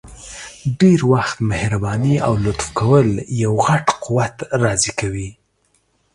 ډير وخت مهرباني او لطف کول یو غټ قوت راضي کوي!